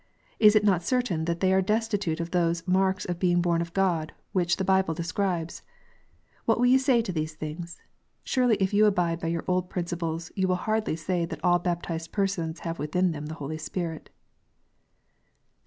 Is it not certain that they are destitute of those marks of being born of God which the Bible describes ? What will you say to these things ? Surely if you abide by your old principle you will hardly say that all baptized people have within them the Holy Spirit.